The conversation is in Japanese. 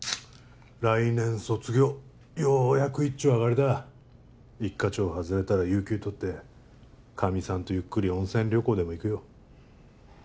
来年卒業ようやく一丁上がりだ一課長外れたら有休とってかみさんとゆっくり温泉旅行でも行くよ